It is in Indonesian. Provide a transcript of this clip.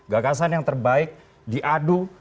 gagasan yang terbaik diadu